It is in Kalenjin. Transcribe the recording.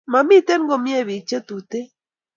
mamiten komie pik che tuten